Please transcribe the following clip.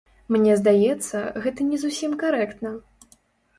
Мне здаецца, гэта не зусім карэктна.